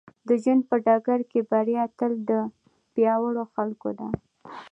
د ژوند په ډګر کې بريا تل د پياوړو خلکو ده.